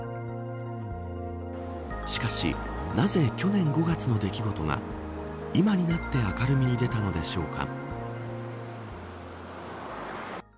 しかし、なぜ去年５月の出来事が今になって明るみに出たのでしょうか。